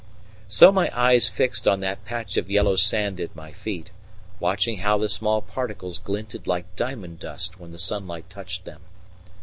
So my eyes fixed on that patch of yellow sand at my feet, watching how the small particles glinted like diamond dust when the sunlight touched them.